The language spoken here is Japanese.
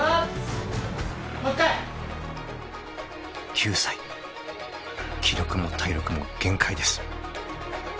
［９歳気力も体力も限界です］